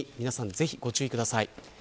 ぜひ、ご注意ください。